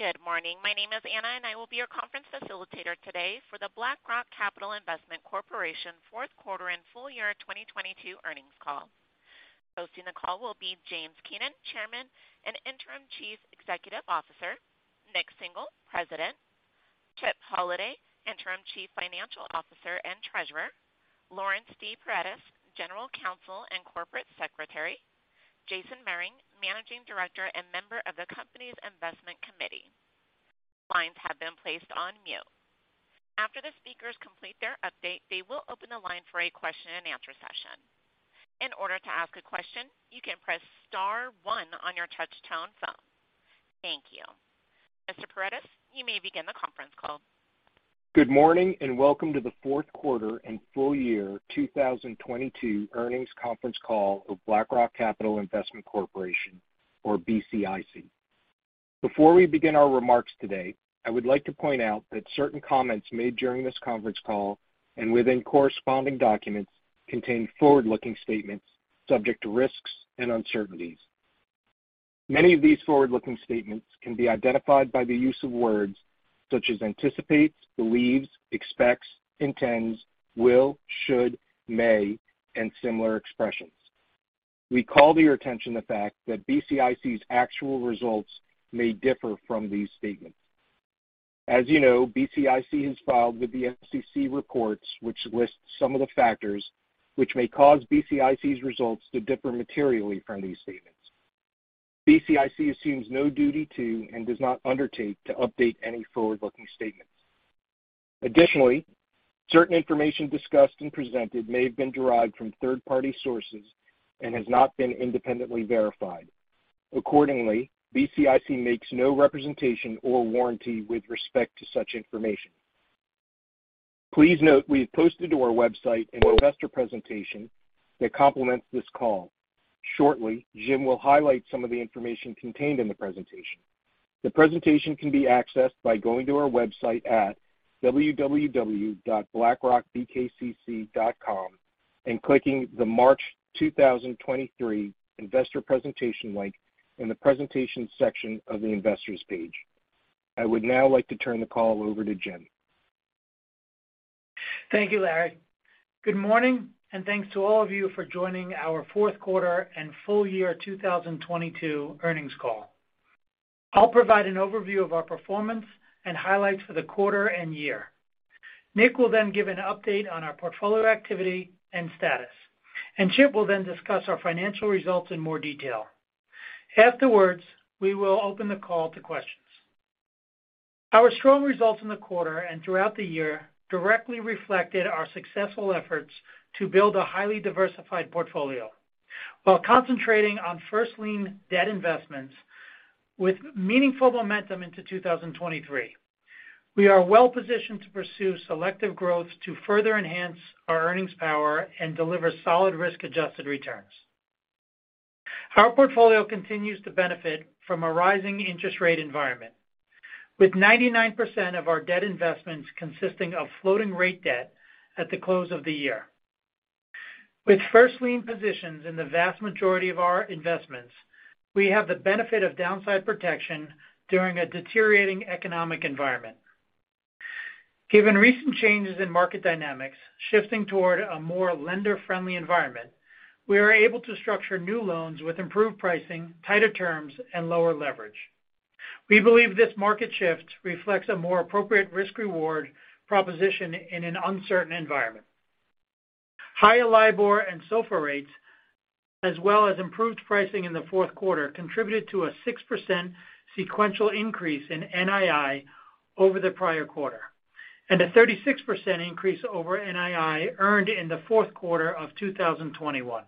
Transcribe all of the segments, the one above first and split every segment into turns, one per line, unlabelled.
Good morning. My name is Anna, and I will be your conference facilitator today for the BlackRock Capital Investment Corporation fourth quarter and full year 2022 earnings call. Hosting the call will be James Keenan, Chairman and Interim Chief Executive Officer, Nik Singhal, President, Chip Holladay, Interim Chief Financial Officer and Treasurer, Laurence D. Paredes, General Counsel and Corporate Secretary, Jason Mehring, Managing Director and member of the company's Investment Committee. Lines have been placed on mute. After the speakers complete their update, they will open the line for a question-and-answer session. In order to ask a question, you can press star one on your touchtone phone. Thank you. Mr. Paredes, you may begin the conference call. /
Good morning, and welcome to the fourth quarter and full year 2022 earnings conference call of BlackRock Capital Investment Corporation, or BCIC. Before we begin our remarks today, I would like to point out that certain comments made during this conference call and within corresponding documents contain forward-looking statements subject to risks and uncertainties. Many of these forward-looking statements can be identified by the use of words such as anticipates, believes, expects, intends, will, should, may, and similar expressions. We call to your attention the fact that BCIC's actual results may differ from these statements. As you know, BCIC has filed with the SEC reports which lists some of the factors which may cause BCIC's results to differ materially from these statements. BCIC assumes no duty to and does not undertake to update any forward-looking statements. Certain information discussed and presented may have been derived from third-party sources and has not been independently verified. BCIC makes no representation or warranty with respect to such information. Please note we've posted to our website an investor presentation that complements this call. Shortly, Jim will highlight some of the information contained in the presentation. The presentation can be accessed by going to our website at www.blackrockbkcc.com and clicking the March two thousand twenty-three investor presentation link in the Presentation section of the Investors page. I would now like to turn the call over to Jim.
Thank you, Larry. Good morning, and thanks to all of you for joining our fourth quarter and full year 2022 earnings call. I'll provide an overview of our performance and highlights for the quarter and year. Nick will then give an update on our portfolio activity and status. Chip will then discuss our financial results in more detail. Afterwards, we will open the call to questions. Our strong results in the quarter and throughout the year directly reflected our successful efforts to build a highly diversified portfolio while concentrating on first lien debt investments with meaningful momentum into 2023. We are well positioned to pursue selective growth to further enhance our earnings power and deliver solid risk-adjusted returns. Our portfolio continues to benefit from a rising interest rate environment, with 99% of our debt investments consisting of floating rate debt at the close of the year. With first lien positions in the vast majority of our investments, we have the benefit of downside protection during a deteriorating economic environment. Given recent changes in market dynamics shifting toward a more lender-friendly environment, we are able to structure new loans with improved pricing, tighter terms, and lower leverage. We believe this market shift reflects a more appropriate risk-reward proposition in an uncertain environment. Higher LIBOR and SOFR rates, as well as improved pricing in the fourth quarter, contributed to a 6% sequential increase in NII over the prior quarter, and a 36% increase over NII earned in the fourth quarter of 2021.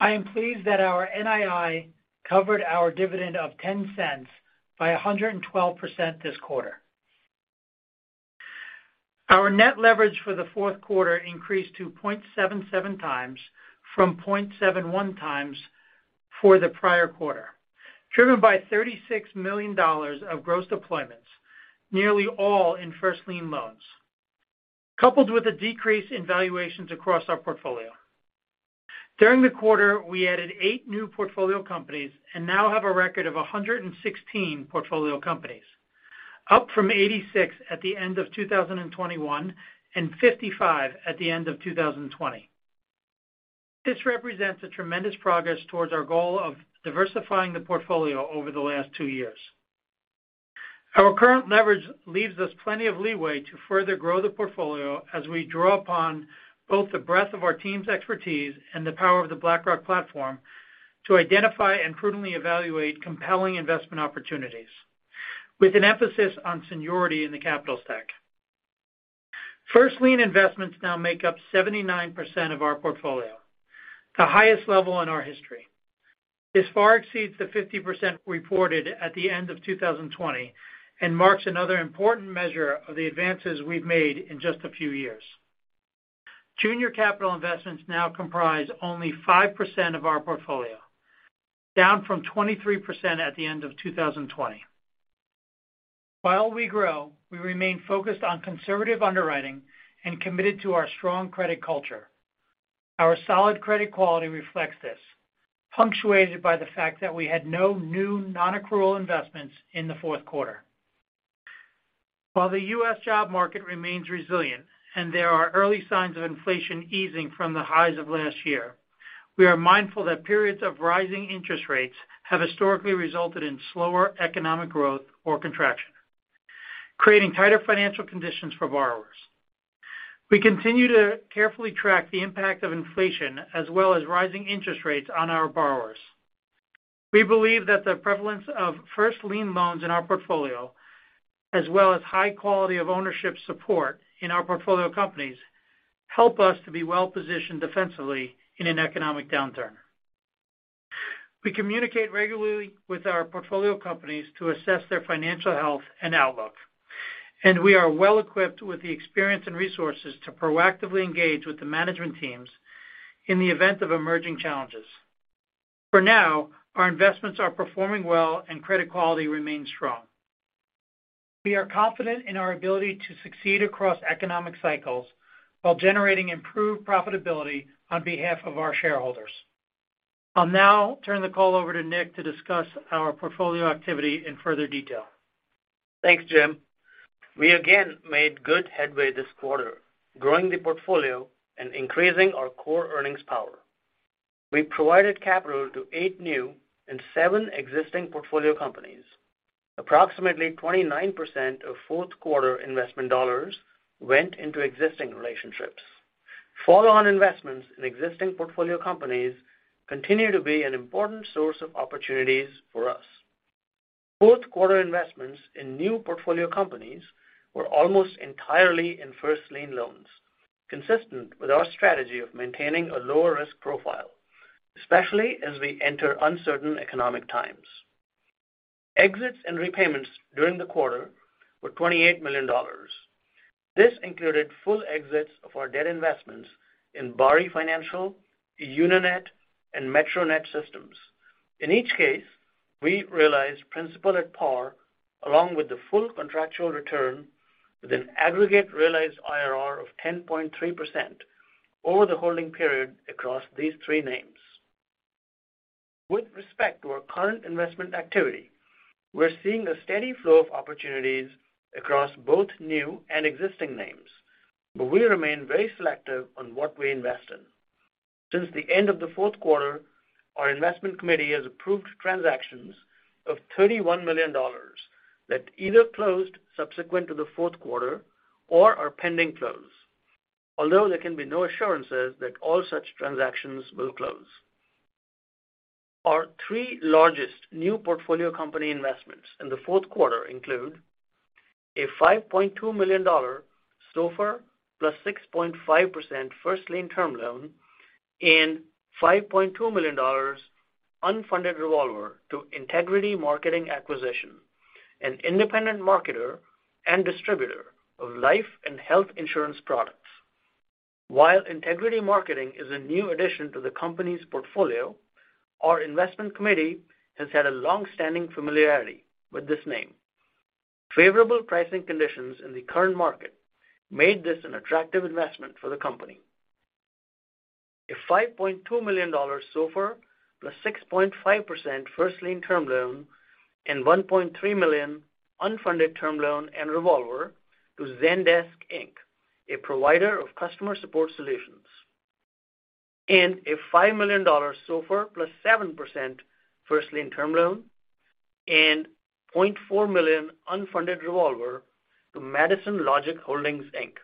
I am pleased that our NII covered our dividend of $0.10 by 112% this quarter. Our net leverage for the fourth quarter increased to 0.77 times from 0.71 times for the prior quarter, driven by $36 million of gross deployments, nearly all in first lien loans, coupled with a decrease in valuations across our portfolio. During the quarter, we added eight new portfolio companies and now have a record of 116 portfolio companies, up from 86 at the end of 2021 and 55 at the end of 2020. This represents a tremendous progress towards our goal of diversifying the portfolio over the last two years. Our current leverage leaves us plenty of leeway to further grow the portfolio as we draw upon both the breadth of our team's expertise and the power of the BlackRock platform to identify and prudently evaluate compelling investment opportunities with an emphasis on seniority in the capital stack. First lien investments now make up 79% of our portfolio, the highest level in our history. This far exceeds the 50% reported at the end of 2020 and marks another important measure of the advances we've made in just a few years. Junior capital investments now comprise only 5% of our portfolio, down from 23% at the end of 2020. While we grow, we remain focused on conservative underwriting and committed to our strong credit culture. Our solid credit quality reflects this, punctuated by the fact that we had no new non-accrual investments in the fourth quarter. While the U.S. job market remains resilient, and there are early signs of inflation easing from the highs of last year, we are mindful that periods of rising interest rates have historically resulted in slower economic growth or contraction, creating tighter financial conditions for borrowers. We continue to carefully track the impact of inflation as well as rising interest rates on our borrowers. We believe that the prevalence of first lien loans in our portfolio, as well as high quality of ownership support in our portfolio companies, help us to be well-positioned defensively in an economic downturn. We communicate regularly with our portfolio companies to assess their financial health and outlook. We are well-equipped with the experience and resources to proactively engage with the management teams in the event of emerging challenges. For now, our investments are performing well and credit quality remains strong. We are confident in our ability to succeed across economic cycles while generating improved profitability on behalf of our shareholders. I'll now turn the call over to Nick to discuss our portfolio activity in further detail.
Thanks, Jim. We again made good headway this quarter, growing the portfolio and increasing our core earnings power. We provided capital to eight new and seven existing portfolio companies. Approximately 29% of fourth quarter investment dollars went into existing relationships. Follow-on investments in existing portfolio companies continue to be an important source of opportunities for us. Fourth quarter investments in new portfolio companies were almost entirely in first lien loans, consistent with our strategy of maintaining a lower risk profile, especially as we enter uncertain economic times. Exits and repayments during the quarter were $28 million. This included full exits of our debt investments in Bari Financial, Unanet, and MetroNet Systems. In each case, we realized principal at par along with the full contractual return with an aggregate realized IRR of 10.3% over the holding period across these three names. With respect to our current investment activity, we're seeing a steady flow of opportunities across both new and existing names, but we remain very selective on what we invest in. Since the end of the fourth quarter, our investment committee has approved transactions of $31 million that either closed subsequent to the fourth quarter or are pending close. Although there can be no assurances that all such transactions will close. Our three largest new portfolio company investments in the fourth quarter include a $5.2 million SOFR plus 6.5% first lien term loan and $5.2 million unfunded revolver to Integrity Marketing Acquisition, an independent marketer and distributor of life and health insurance products. While Integrity Marketing is a new addition to the company's portfolio, our investment committee has had a long-standing familiarity with this name. Favorable pricing conditions in the current market made this an attractive investment for the company. A $5.2 million SOFR plus 6.5% first lien term loan and $1.3 million unfunded term loan and revolver to Zendesk, Inc., a provider of customer support solutions. A $5 million SOFR plus 7% first lien term loan and $0.4 million unfunded revolver to Madison Logic Holdings, Inc.,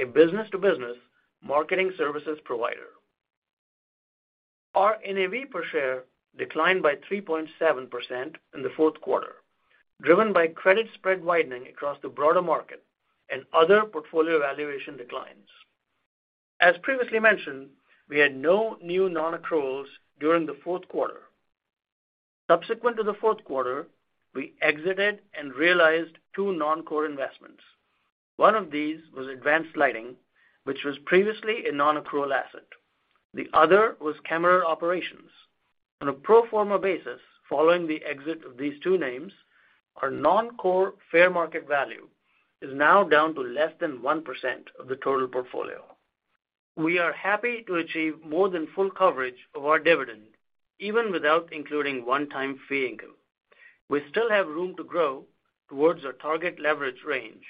a business-to-business marketing services provider. Our NAV per share declined by 3.7% in the fourth quarter, driven by credit spread widening across the broader market and other portfolio valuation declines. As previously mentioned, we had no new non-accruals during the fourth quarter. Subsequent to the fourth quarter, we exited and realized two non-core investments. One of these was Advanced Lighting, which was previously a non-accrual asset. The other was Kamar Operations. On a pro forma basis, following the exit of these two names, our non-core fair market value is now down to less than 1% of the total portfolio. We are happy to achieve more than full coverage of our dividend, even without including one-time fee income. We still have room to grow towards our target leverage range.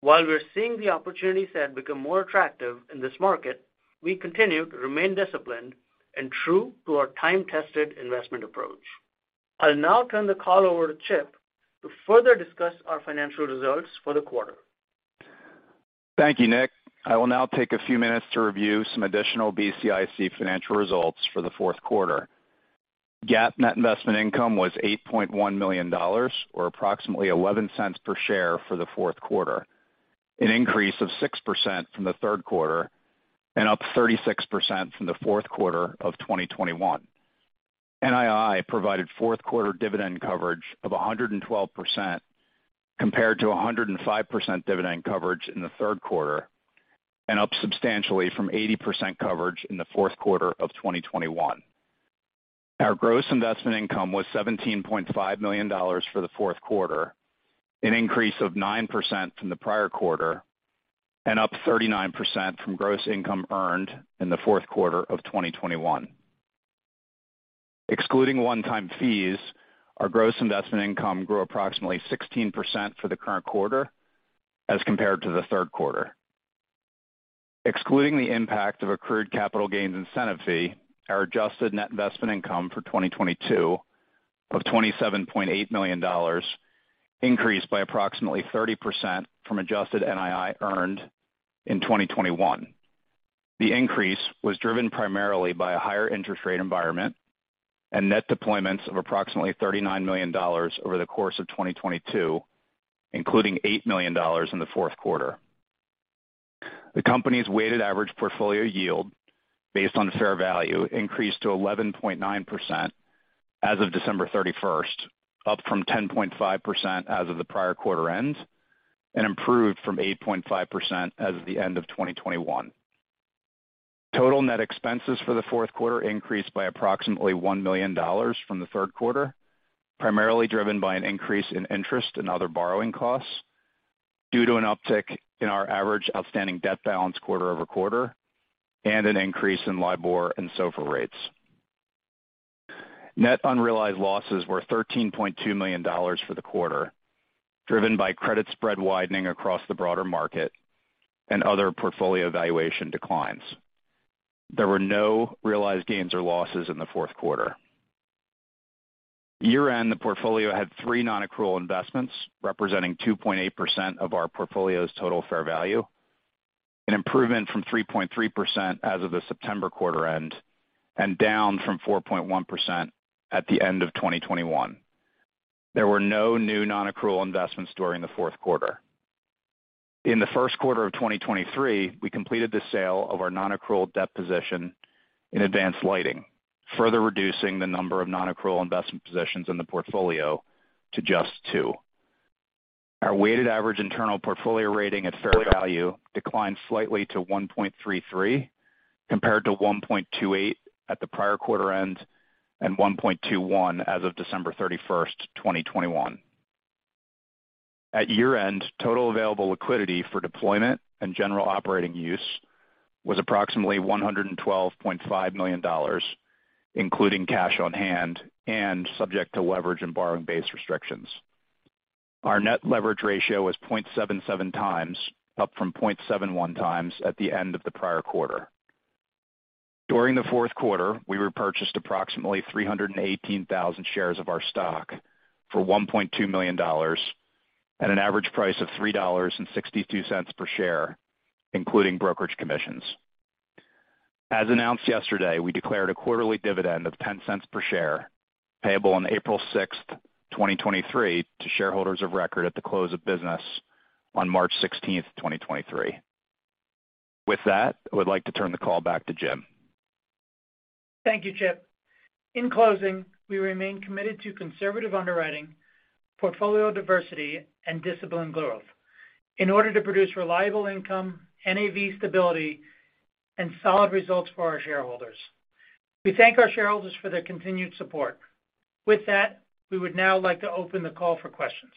While we're seeing the opportunity set become more attractive in this market, we continue to remain disciplined and true to our time-tested investment approach. I'll now turn the call over to Chip to further discuss our financial results for the quarter.
Thank you, Nik. I will now take a few minutes to review some additional BCIC financial results for the fourth quarter. GAAP net investment income was $8.1 million or approximately $0.11 per share for the fourth quarter, an increase of 6% from the third quarter and up 36% from the fourth quarter of 2021. NII provided fourth quarter dividend coverage of 112% compared to 105% dividend coverage in the third quarter, and up substantially from 80% coverage in the fourth quarter of 2021. Our gross investment income was $17.5 million for the fourth quarter, an increase of 9% from the prior quarter and up 39% from gross income earned in the fourth quarter of 2021. Excluding one-time fees, our gross investment income grew approximately 16% for the current quarter as compared to Q3. Excluding the impact of accrued capital gains incentive fee, our adjusted net investment income for 2022 of $27.8 million increased by approximately 30% from adjusted NII earned in 2021. The increase was driven primarily by a higher interest rate environment and net deployments of approximately $39 million over the course of 2022, including $8 million in Q4. The company's weighted average portfolio yield based on fair value increased to 11.9% as of December 31st, up from 10.5% as of the prior quarter end, and improved from 8.5% as of the end of 2021. Total net expenses for the fourth quarter increased by approximately $1 million from the third quarter, primarily driven by an increase in interest and other borrowing costs due to an uptick in our average outstanding debt balance quarter-over-quarter and an increase in LIBOR and SOFR rates. Net unrealized losses were $13.2 million for the quarter, driven by credit spread widening across the broader market and other portfolio valuation declines. There were no realized gains or losses in the fourth quarter. Year-end, the portfolio had three non-accrual investments representing 2.8% of our portfolio's total fair value, an improvement from 3.3% as of the September quarter end and down from 4.1% at the end of 2021. There were no new non-accrual investments during the fourth quarter. In the first quarter of 2023, we completed the sale of our non-accrual debt position in Advanced Lighting, further reducing the number of non-accrual investment positions in the portfolio to just 2two. Our weighted average internal portfolio rating at fair value declined slightly to 1.33, compared to 1.28 at the prior quarter end and 1.21 as of December 31st, 2021. At year-end, total available liquidity for deployment and general operating use was approximately $112.5 million, including cash on hand and subject to leverage and borrowing base restrictions. Our net leverage ratio was 0.77 times, up from 0.71 times at the end of the prior quarter. During the fourth quarter, we repurchased approximately 318,000 shares of our stock for $1.2 million at an average price of $3.62 per share, including brokerage commissions. As announced yesterday, we declared a quarterly dividend of $0.10 per share payable on April 6th, 2023 to shareholders of record at the close of business on March 16th, 2023. With that, I would like to turn the call back to Jim.
Thank you, Chip. In closing, we remain committed to conservative underwriting, portfolio diversity, and disciplined growth in order to produce reliable income, NAV stability, and solid results for our shareholders. We thank our shareholders for their continued support. We would now like to open the call for questions.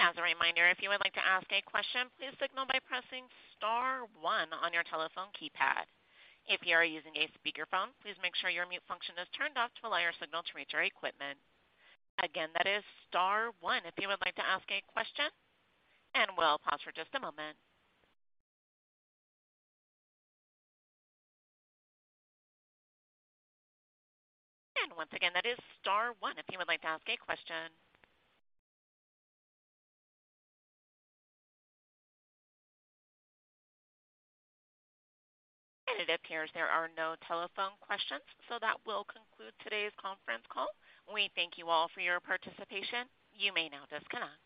As a reminder, if you would like to ask a question, please signal by pressing star one on your telephone keypad. If you are using a speakerphone, please make sure your mute function is turned off to allow your signal to reach our equipment. Again, that is star one if you would like to ask a question. We'll pause for just a moment. Once again, that is star one if you would like to ask a question. It appears there are no telephone questions. That will conclude today's conference call. We thank you all for your participation. You may now disconnect.